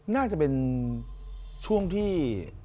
น่าจะเป็นช่วงที่